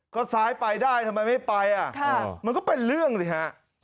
ก็ซ้ายไปได้ทำไมไม่ไปอ่ะมันก็เป็นเรื่องสิฮะ